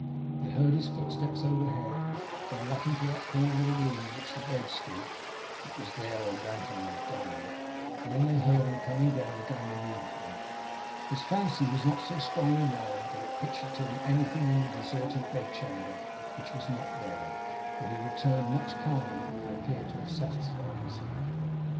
They heard his footsteps overhead, going up into that corner of the room in which the bed stood (it was there old Anthony had died); and then they heard him coming down again immediately. His fancy was not so strong or wild that it pictured to him anything in the deserted bedchamber which was not there; for he returned much calmer, and appeared to have satisfied himself.